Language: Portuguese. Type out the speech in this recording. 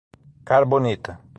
Carbonita